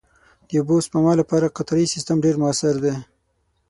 د اوبو سپما لپاره قطرهيي سیستم ډېر مؤثر دی.